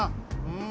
うん。